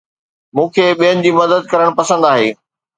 مون کي ٻين جي مدد ڪرڻ پسند آهي